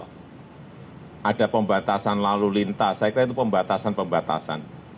kalau ada pembatasan sosial ada pembatasan lalu lintas saya kira itu pembatasan pembatasan